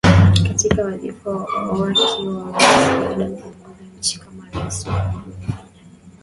katika wadhifa wake wa Urais Baada ya kuongoza nchi kama rais kwa awamu moja